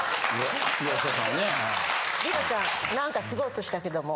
「梨乃ちゃんなんかすごい音したけども」。